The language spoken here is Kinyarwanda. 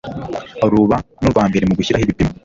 ruba n' urwa mbere mu gushyiraho ibipimo